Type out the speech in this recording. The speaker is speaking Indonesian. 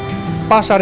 pasar yang berkelanjutan